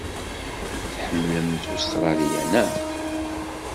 Tḥemmlemt Ustṛalya, naɣ?